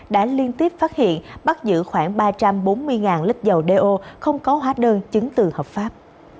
đã liên tiếp phát hiện bắt giữ khoảng ba trăm bốn mươi lít dầu đeo không có hóa đơn chứng từ hợp pháp